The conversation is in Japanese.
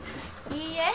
いいえ。